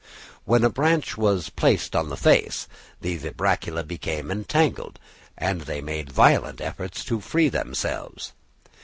When a branch was placed on its face, the vibracula became entangled, and they made violent efforts to free themselves.